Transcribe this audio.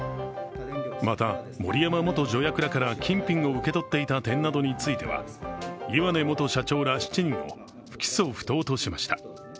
また、森山元助役らから金品を受け取っていた点などについては岩根元社長ら７人を不起訴不当としました。